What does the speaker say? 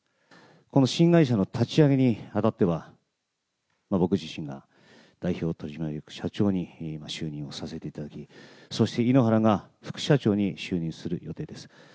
この新会社の立ち上げにあたっては、僕自身が代表取締役社長に就任させていただき、そして井ノ原が副社長に就任する予定です。